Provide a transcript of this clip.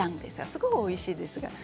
すごくおいしいです。